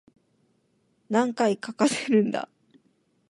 何回かかせるんだ